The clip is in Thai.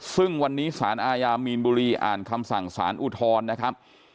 ซึ่งวันนี้สารอาญามีนบุรีอ่านคำสั่งสารอุทธรณ์นะครับ